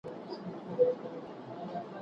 نن ورځ وګړي د قدرت سرچينه ګڼل کېږي.